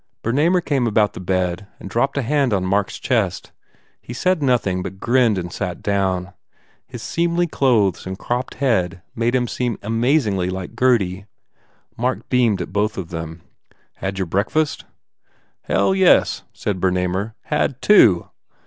Bernamer came about the bed and dropped a hand on Mark s chest. He said nothing, but grinned and sat down. His seemly clothes and cropped head made him amazingly like Gurdy. Mark beamed at both of them. "Had your breakfast?" "Hell, yes," said Bernamer, "Had two.